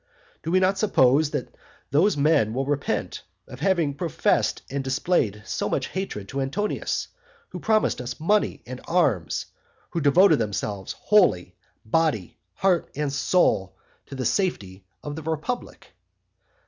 Do we not suppose that those men will repent of having professed and displayed so much hatred to Antonius, who promised us money and arms, who devoted themselves wholly, body, heart, and soul, to the safety of the republic?